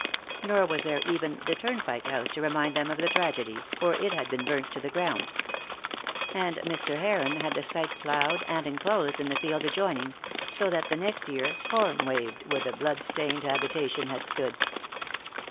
Nor was there even the Turnpike House to remind them of the tragedy, for it had been burnt to the ground. And Mr. Heron had the site ploughed and enclosed in the field adjoining; so that the next year corn waved where the blood stained habitation had stood.